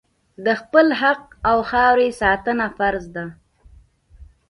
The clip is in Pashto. د خپل حق او خاورې ساتنه فرض ده.